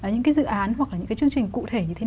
những dự án hoặc là những chương trình cụ thể như thế nào